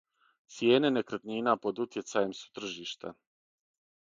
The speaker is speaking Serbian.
Цијене некретнина под утјецајем су тржишта.